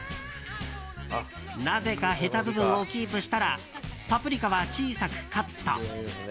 なぜかヘタ部分をキープしたらパプリカは、小さくカット。